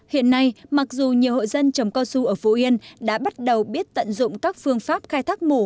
hiện nay mặc dù nhiều hộ dân trồng cao su ở phú yên đã bắt đầu biết tận dụng các phương pháp khai thác mù